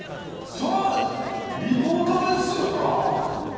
そりゃ、リポーターですよ、そりゃ。